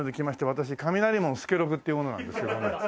私雷門助六っていう者なんですけども。